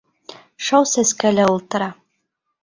Шау сәскәлә ултыра.